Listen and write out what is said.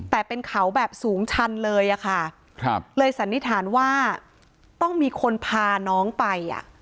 แต่เป็นเขาแบบสูงชันเลยอะค่ะครับเลยสันนิษฐานว่าต้องมีคนพาน้องไปอ่ะ